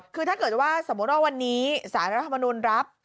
คือถ้าเกิดว่าสมมุติว่าวันนี้สารรัฐมนุนรับ